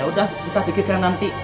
udah kita pikirkan nanti